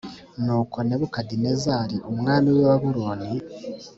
Nuko Nebukadinezari umwami w i Babuloni